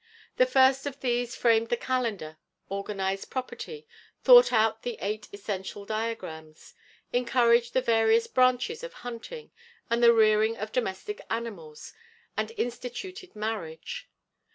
The first of these framed the calendar, organized property, thought out the eight Essential Diagrams, encouraged the various branches of hunting, and the rearing of domestic animals, and instituted marriage.